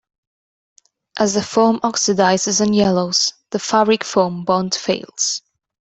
As the foam oxidizes and yellows, the fabric-foam bond fails.